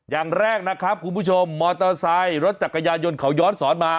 อย่างแรกนะครับคุณผู้ชมมอเตอร์ไซค์รถจักรยานยนต์เขาย้อนสอนมา